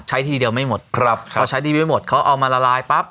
ทีเดียวไม่หมดครับเขาใช้ดีไม่หมดเขาเอามาละลายปั๊บ